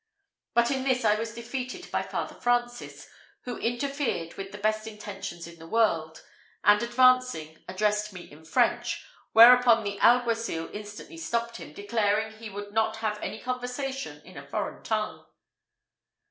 But in this I was defeated by Father Francis, who interfered with the best intentions in the world, and advancing, addressed me in French, whereupon the alguacil instantly stopped him, declaring he would not have any conversation in a foreign tongue.